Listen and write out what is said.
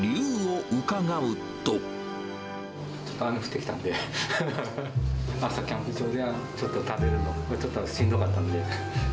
ちょっと雨降ってきたんで、朝、キャンプ場でちょっと食べるのがしんどかったので。